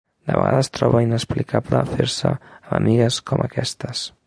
De vegades troba inexplicable fer-se amb amigues com aquestes.